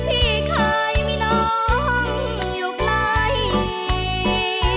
พี่หลงรักแต่วมานานเห็นใจพี่เถอะตาวันอย่าทรมานด้วยการใช้เมื่อย